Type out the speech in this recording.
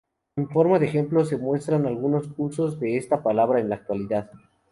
En forma de ejemplo se muestran algunos usos de esta palabra en la actualidad.